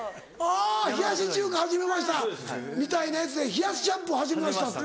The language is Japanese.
「冷やし中華始めました」みたいなやつで「冷やしシャンプー始めました」。